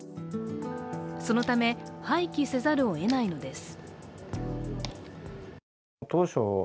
そのため、廃棄せざるをえないのです。